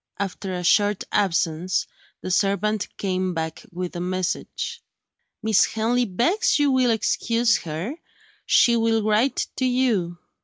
After a short absence, the servant came back with a message. "Miss Henley begs you will excuse her. She will write to you."